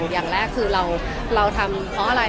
อย่างแรกคือเราทำเพราะอะไร